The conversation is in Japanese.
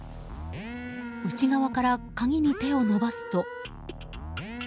内側から鍵に手を伸ばすと。